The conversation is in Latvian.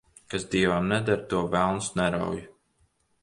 Kas dievam neder, to velns nerauj.